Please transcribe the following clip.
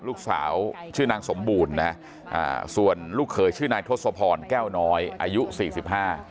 ลูกสาวชื่อนางสมบูรณ์นะฮะอ่าส่วนลูกเขยชื่อนายทศพรแก้วน้อยอายุสี่สิบห้า